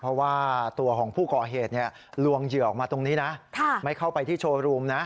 เพราะว่าตัวของผู้ก่อเหตุลวงเหยื่อออกมาตรงนี้นะไม่เข้าไปที่โชว์รูมนะ